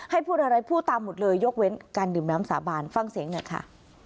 ให้พูดอะไรพูดตามหมดเลยยกเว้นการดื่มน้ำสาบานฟังเสียงหน่อยค่ะ